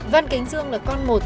văn kính dương là con một